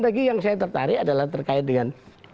lagi yang saya tertarik adalah terkait dengan